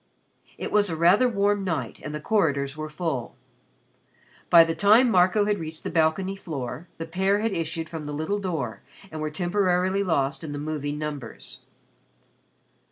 It was a rather warm night and the corridors were full. By the time Marco had reached the balcony floor, the pair had issued from the little door and were temporarily lost in the moving numbers.